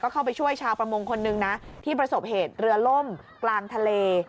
เข้าไปช่วยชาวประมงคนนึงนะที่ประสบเหตุเรือล่มกลางทะเล